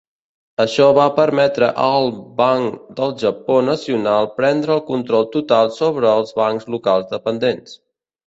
Això va permetre all Banc del Japó nacional prendre el control total sobre els bancs locals dependents.